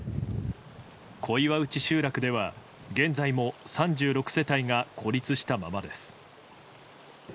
小岩内集落では現在も３６世帯が孤立したままです。